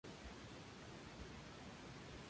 Es casi cosmopolita.